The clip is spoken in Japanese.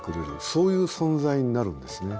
そういう存在になるんですね。